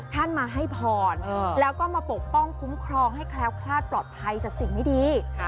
ท่านมาให้พรแล้วก็มาปกป้องคุ้มครองให้แคล้วคลาดปลอดภัยจากสิ่งไม่ดี